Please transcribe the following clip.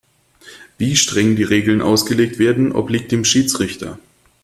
Wie streng die Regeln ausgelegt werden, obliegt dem Schiedsrichter.